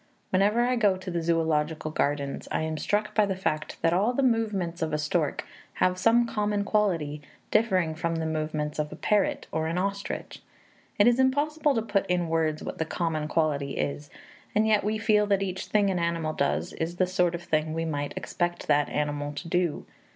Whenever I go to the zoölogical gardens, I am struck by the fact that all the movements of a stork have some common quality, differing from the movements of a parrot or an ostrich. It is impossible to put in words what the common quality is, and yet we feel that each thing an animal does is the sort of thing we might expect that animal to do.